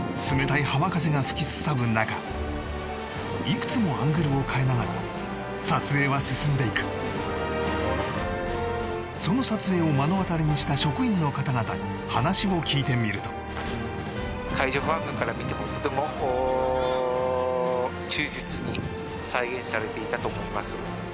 冷たい浜風が吹きすさぶ中いくつもアングルを変えながら撮影は進んでいくその撮影を目の当たりにした職員の方々に話を聞いてみると海上保安官から見てもとても忠実に再現されていたと思います